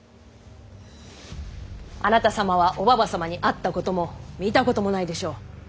あなた様はおばば様に会ったことも見たこともないでしょう。